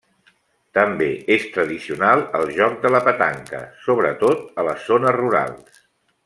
També és tradicional el joc de la petanca, sobretot a les zones rurals.